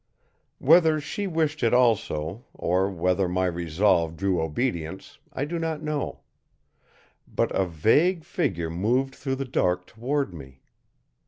Whether she wished it also, or whether my resolve drew obedience, I do not know. But a vague figure moved through the dark toward me.